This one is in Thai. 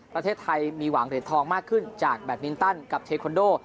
ประเทศไทยมีหวังเหรียญทองมากขึ้นจากแบตมินตันกับเทคอนโด